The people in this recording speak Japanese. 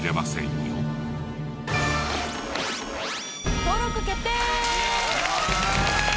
登録決定！